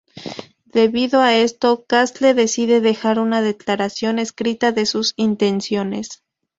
Debido a esto, Castle decide dejar una declaración escrita de sus intenciones.